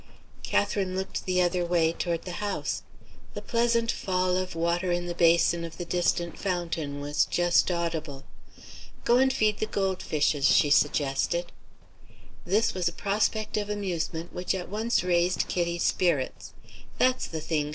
Catherine looked the other way, toward the house. The pleasant fall of water in the basin of the distant fountain was just audible. "Go and feed the gold fishes," she suggested. This was a prospect of amusement which at once raised Kitty's spirits. "That's the thing!"